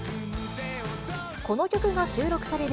この曲が収録される